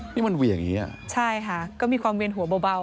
นี่มันเหวี่ยงอย่างนี้อ่ะใช่ค่ะก็มีความเวียนหัวเบา